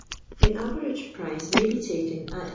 The average price may be taken at 18i.